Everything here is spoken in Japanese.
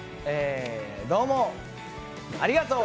どうもありがとう！